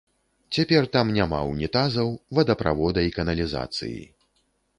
Цяпер там няма ўнітазаў, водаправода і каналізацыі.